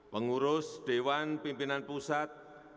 pengurus dewan pimpinan pusat